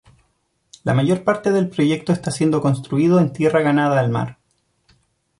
La mayor parte del proyecto está siendo construido en tierra ganada al mar.